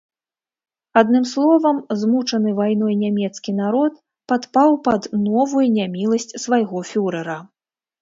Адным словам, змучаны вайной нямецкі народ падпаў пад новую няміласць свайго фюрэра.